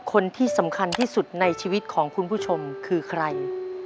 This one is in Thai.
คนที่สำคัญที่สุดในชีวิตของคุณผู้ชมคือใคร